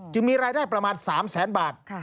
มีรายได้ประมาณ๓แสนบาท